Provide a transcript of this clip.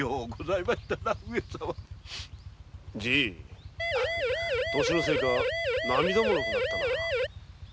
じぃ年のせいか涙もろくなったな。